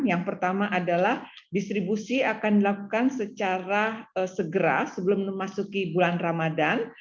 yang pertama adalah distribusi akan dilakukan secara segera sebelum memasuki bulan ramadan